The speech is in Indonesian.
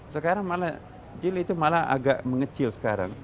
sekarang malah jil itu malah agak mengecil sekarang